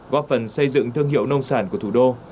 góp phần xây dựng thương hiệu nông sản của thủ đô